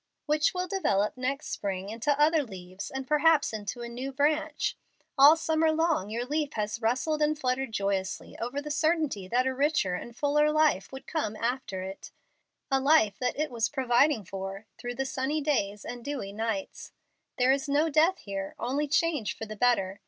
"Which will develop next spring into other leaves and perhaps into a new branch. All summer long your leaf has rustled and fluttered joyously over the certainty that a richer and fuller life would come after it, a life that it was providing for through the sunny days and dewy nights. There is no death here, only change for the better.